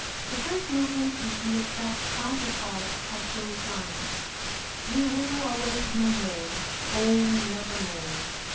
The first movement is the exact counterpart of those lines "'He will awake no more, oh, never more!